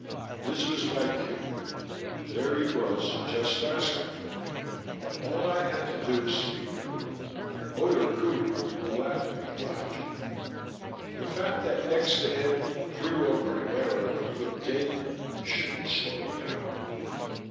This was my cue. There he was, just asking for it. All I had to do was speak up. Owner Qohey would gladly oblige me. The fact that next to him Primo Carnera would look dainty shouldn't slow me down.